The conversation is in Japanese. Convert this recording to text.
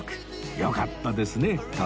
よかったですね徳さん